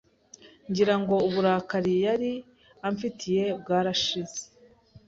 ngira ngo uburakari yari amfitiye bwarashize